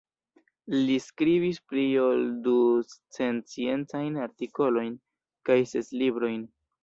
Li skribis pli ol du cent sciencajn artikolojn kaj ses librojn.